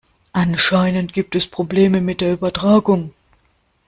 Anscheinend gibt es Probleme mit der Übertragung.